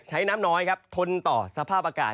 น้ำน้อยครับทนต่อสภาพอากาศ